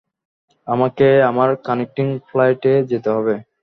আমাকে আমার কানেক্টিং ফ্লাইটে যেতে হবে।